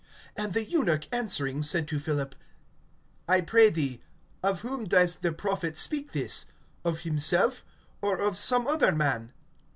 (34)And the eunuch answering said to Philip: I pray thee, of whom does the prophet speak this? Of himself, or of some other man?